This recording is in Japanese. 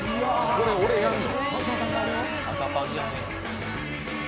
これ、俺やんの？